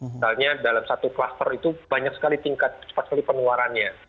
misalnya dalam satu kluster itu banyak sekali tingkat cepat sekali penularannya